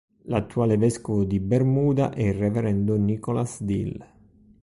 L'attuale vescovo di Bermuda è il reverendo Nicholas Dill.